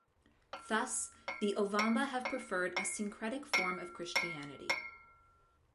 Thus, the Ovamba have preferred a syncretic form of Christianity.